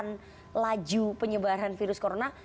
menekan laju penyebaran virus corona